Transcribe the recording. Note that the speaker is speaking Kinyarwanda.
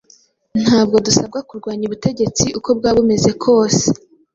Ntabwo dusabwa kurwanya ubutegetsi uko bwaba bumeze kose.